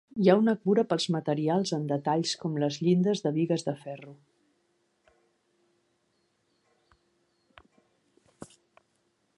Hi ha una cura pels materials en detalls com les llindes de bigues de ferro.